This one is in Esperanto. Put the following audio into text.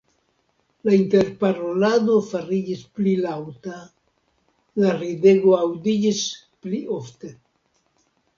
La interparolado fariĝis pli laŭta, la ridego aŭdiĝis pli ofte.